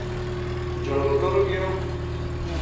جنو ٹُر گیو